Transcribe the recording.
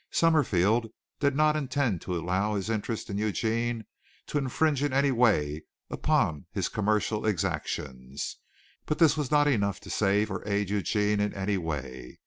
Summerfield did not intend to allow his interest in Eugene to infringe in any way upon his commercial exactions, but this was not enough to save or aid Eugene in any way.